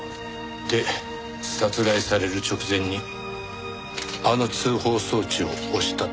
で殺害される直前にあの通報装置を押したって事か。